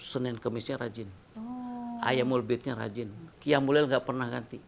senin kemisnya rajin ayam mulbitnya rajin kiam mulel gak pernah ganti